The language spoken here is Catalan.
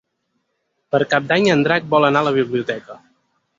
Per Cap d'Any en Drac vol anar a la biblioteca.